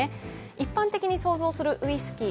一般的に想像するウイスキー